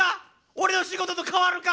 俺の仕事と代わるか？